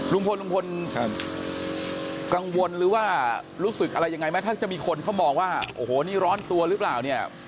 ลุงพลลุงพลกังวลหรือว่ารู้สึกอะไรยังไงไหมถ้าจะมีคนเขามองว่าโอ้โหนี่ร้อนตัวหรือเปล่าเนี่ย